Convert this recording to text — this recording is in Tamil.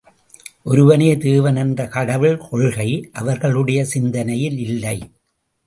ஒருவனே தேவன் என்ற கடவுள் கொள்கை அவர்களுடைய சிந்தனையில் இல்லை.